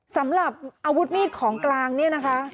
สำหรับอาวุธมีดของกลางเนี่ยนะคะ